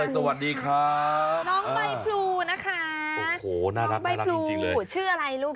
สุดยอดเลยเลี้ยงชั้นไหนลูก